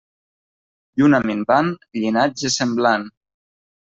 Lluna minvant, llinatge semblant.